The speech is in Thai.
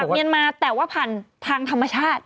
เมียนมาแต่ว่าผ่านทางธรรมชาติ